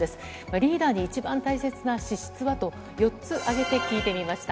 リーダーに一番大切な資質は？と、４つ挙げて聞いてみました。